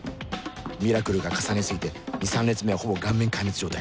ミラクルが重なり過ぎて２３列目はほぼ顔面壊滅状態